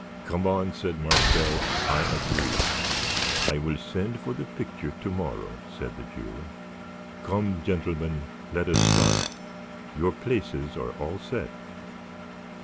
"Come on," said Marcel. "I agree." "I will send for the picture to morrow," said the Jew. "Come, gentlemen, let us start. Your places are all set."